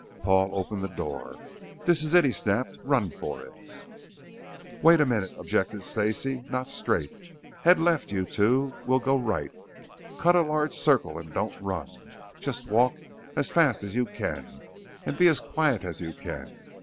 Paul opened the door. "This is it!" he snapped. "Run for it!" "Wait a minute," objected Stacey. "Not straight. Head left, you two. We'll go right. Cut a large circle and don't run. Just walk as fast as you can and be as quiet as you can.